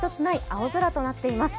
青空となっています。